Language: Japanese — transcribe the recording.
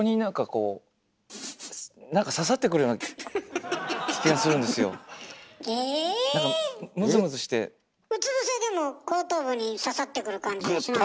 うつ伏せでも後頭部に刺さってくる感じはしないの？